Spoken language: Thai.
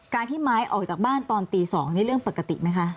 ที่ไม้ออกจากบ้านตอนตี๒นี่เรื่องปกติไหมคะ